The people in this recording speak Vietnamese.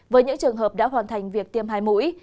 với những trường hợp đã hoàn thành việc tiêm hai mũi